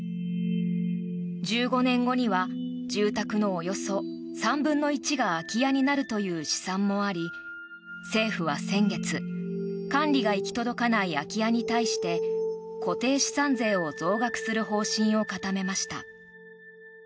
１５年後には住宅のおよそ３分の１が空き家になるという試算もあり政府は先月、管理が行き届かない空き家に対して固定資産税を増額する方針を固めました。